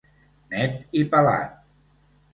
Net i pelat.